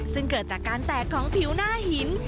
ซึ่งเกิดจากการแตกของผิวหน้าหิน